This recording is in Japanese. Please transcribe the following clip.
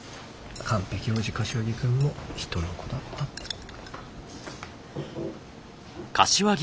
完璧王子柏木君も人の子だったってことよ。